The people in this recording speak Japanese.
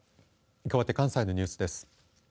かわって関西のニュースです。